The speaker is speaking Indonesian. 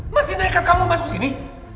masih naik kartu kamu masuk sini